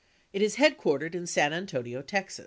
It is head quartered in San Antonio, Tex.